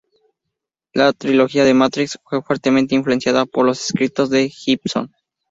La trilogía de Matrix fue fuertemente influenciada por los escritos de Gibson.